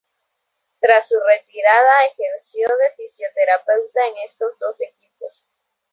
Tras su retirada ejerció de fisioterapeuta en estos dos equipos.